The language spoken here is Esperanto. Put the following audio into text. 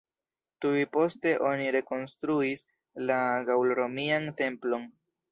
Tuj poste oni rekonstruis la gaŭl-romian templon.